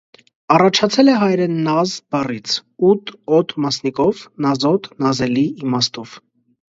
Առաջացել է հայերեն «նազ» բառից՝ «ուտ» («ոտ») մասնիկով՝ «նազոտ, նազելի» իմաստով։